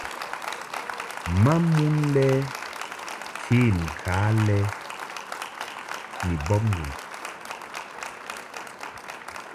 Ma mon le ken ka lɛ ni bɔbŋgɨŋ.